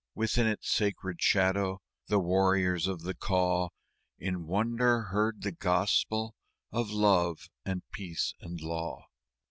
Within its sacred shadow the warriors of the Kaw In wonder heard the Gospel of Love and Peace and Law.